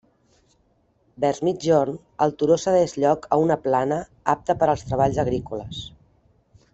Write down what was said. Vers migjorn, el turó cedeix lloc a una plana apta per als treballs agrícoles.